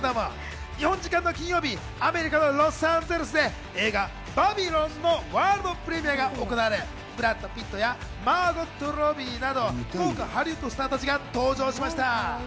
日本時間の金曜日、アメリカのロサンゼルスで映画『バビロン』のワールドプレミアが行われ、ブラッド・ピットやマーゴット・ロビーなど豪華ハリウッドスターたちが登場しました。